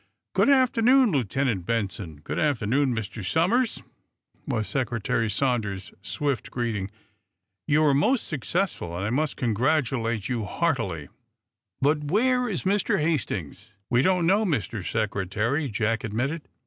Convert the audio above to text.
"Good afternoon, Lieutenant Benson. Good afternoon, Mr. Somers," was Secretary Sanders's swift greeting. "You were most successful, and I must congratulate you heartily. But where is Mr. Hastings?" "We don't know, Mr. Secretary," Jack admitted.